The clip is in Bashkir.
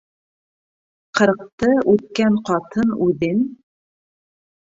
Ҡырҡты үткән ҡатын үҙен: